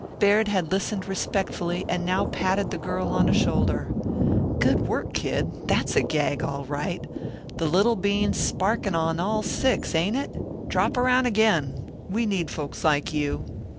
Baird had listened respectfully and now patted the girl on a shoulder. "Good work, Kid! That's a gag, all right. The little bean's sparking on all six, ain't it? Drop around again. We need folks like you.